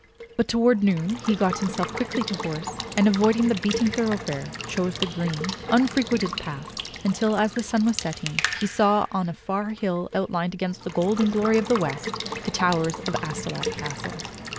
But towards noon he got himself quickly to horse, and, avoiding the beaten thoroughfare, chose the green, unfrequented paths until, as the sun was setting, he saw on a far hill outlined against the golden glory of the west the towers of Astolat Castle.